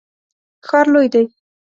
ښار لوی دی